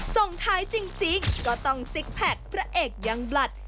ส่งท้ายจริงก็ต้องซิกแพคพระเอกยังบลัด